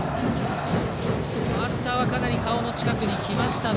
バッターはかなり顔の近くに来ました。